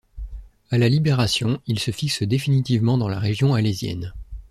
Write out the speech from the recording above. À la Libération, il se fixe définitivement dans la région alésienne.